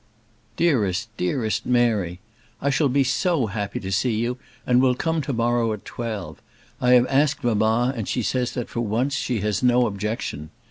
DEAREST, DEAREST MARY, I shall be so happy to see you, and will come to morrow at twelve. I have asked mamma, and she says that, for once, she has no objection.